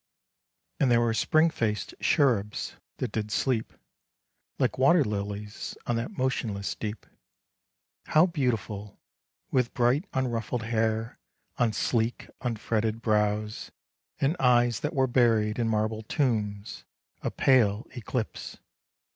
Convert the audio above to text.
And there were spring faced cherubs that did sleep Like water lilies on that motionless deep, How beautiful! with bright unruffled hair On sleek unfretted brows, and eyes that were Buried in marble tombs, a pale eclipse!